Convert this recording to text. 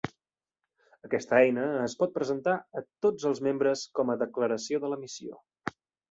Aquesta eina es pot presentar a tots els membres com a declaració de la missió.